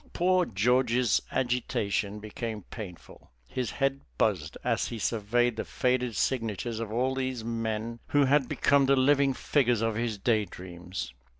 Poor George's agitation became painful. His head buzzed as he surveyed the faded signatures of all these men who had become the living figures of his day dreams.